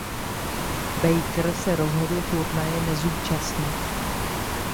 Baker se rozhodl turnaje nezúčastnit.